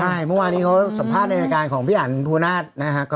ใช่เมื่อวานนี้เขาสัมภาษณ์ในรายการของพี่อันภูนาศนะฮะ